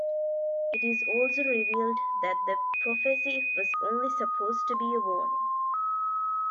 It is also revealed that The Prophecy was only supposed to be a warning.